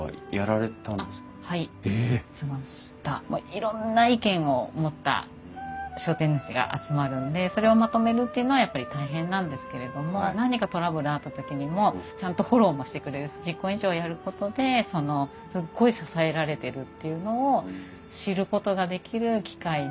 いろんな意見を持った商店主が集まるんでそれをまとめるっていうのはやっぱり大変なんですけれども何かトラブルあった時にもちゃんとフォローもしてくれるし実行委員長をやることですっごい支えられてるっていうのを知ることができる機会ではありました。